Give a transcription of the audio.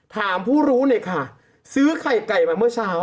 ถามผู้รู้เลยค่ะซื้อไข่ไก่มาเมื่อเช้า